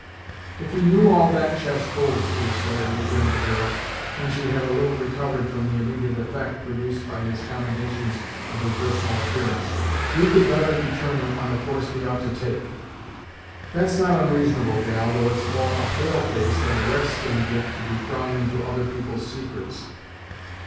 "If we knew all that chest holds, Deerslayer," returned the girl, when she had a little recovered from the immediate effect produced by his commendations of her personal appearance, "we could better determine on the course we ought to take." "That's not onreasonable, gal, though it's more a pale face than a red skin gift to be prying into other people's secrets."